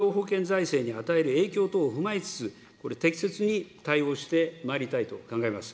イノベーションの評価や医療保険財政に与える影響等を踏まえつつ、適切に対応してまいりたいと考えます。